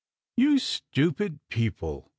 " You stupid people !